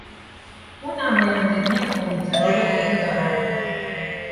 او نمایندگی کمیته را به عهده دارد.